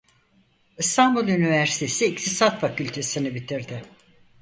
İstanbul Üniversitesi İktisat Fakültesi'ni bitirdi.